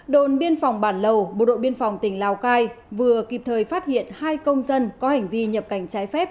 đồn biên phòng bản lầu bộ đội biên phòng tỉnh lào cai vừa kịp thời phát hiện hai công dân có hành vi nhập cảnh trái phép